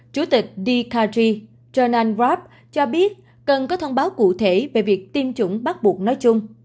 chủ tịch dkg jonathan robb cho biết cần có thông báo cụ thể về việc tiêm chủng bắt buộc nói chung